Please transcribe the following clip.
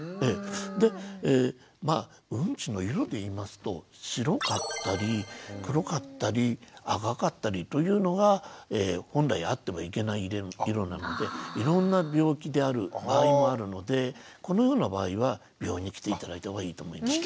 でまあウンチの色でいいますと白かったり黒かったり赤かったりというのが本来あってはいけない色なのでいろんな病気である場合もあるのでこのような場合は病院に来て頂いた方がいいと思います。